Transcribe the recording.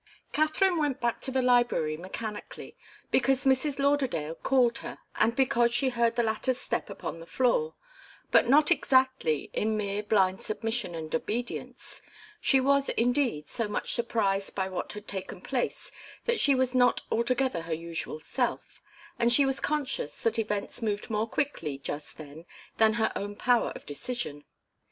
Katharine went back to the library mechanically, because Mrs. Lauderdale called her and because she heard the latter's step upon the floor, but not exactly in mere blind submission and obedience. She was, indeed, so much surprised by what had taken place that she was not altogether her usual self, and she was conscious that events moved more quickly just then than her own power of decision.